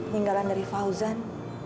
ninggalan dari fauzan